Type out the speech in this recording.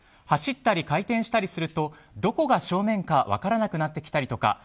走ったり回転したりするとどこが正面か分からなくなってきたりとか。